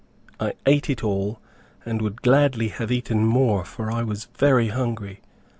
I ate it all, and would gladly have eaten more, for I was very hungry.